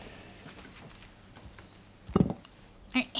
はい。